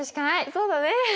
そうだね。